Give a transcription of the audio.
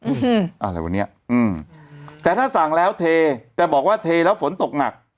อืมอะไรวันนี้อืมแต่ถ้าสั่งแล้วเทแต่บอกว่าเทแล้วฝนตกหนัก